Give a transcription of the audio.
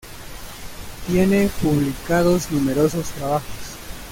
Tiene publicados numerosos trabajos.